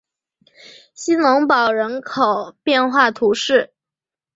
希农堡人口变化图示